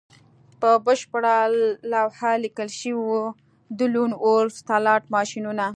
په بشپړه لوحه لیکل شوي وو د لون وولف سلاټ ماشینونه